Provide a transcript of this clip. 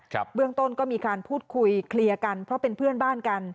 เบื้องต้นก็มีการพูดคุยเคลียร์กันเพราะเป็นเพื่อนบ้านกัน